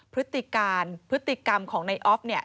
พฤติการพฤติกรรมของในออฟเนี่ย